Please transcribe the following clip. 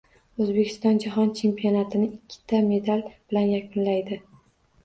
O‘zbekiston Jahon chempionatini ikkita medal bilan yakunlaydi